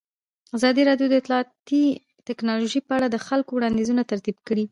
ازادي راډیو د اطلاعاتی تکنالوژي په اړه د خلکو وړاندیزونه ترتیب کړي.